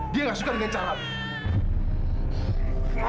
dia nggak suka dengan cara pak